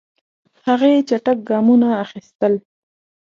هغې چټک ګامونه اخیستل.